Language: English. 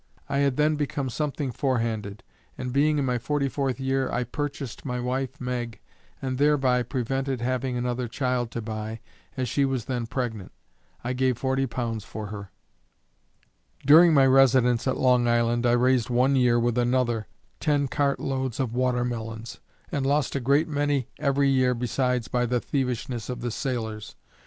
I had then become something forehanded, and being in my forty fourth year, I purchased my wife Meg, and thereby prevented having another child to buy, as she was then pregnant. I gave forty pounds for her. During my residence at Long Island, I raised one year with another, ten cart loads of water melons, and lost a great many every year besides by the thievishness of the sailors.